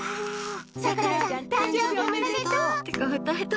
さくらちゃん誕生日おめでとう！